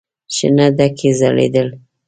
شنه ډکي ځړېدل.